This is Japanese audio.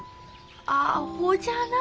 あほじゃなあ